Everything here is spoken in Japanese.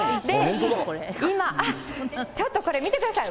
今、ちょっとこれ見てください。